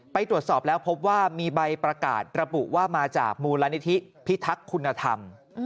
ไปตรวจสอบแล้วพบว่ามีใบประกาศระบุว่ามาจากมูลนิธิพิทักษ์คุณธรรม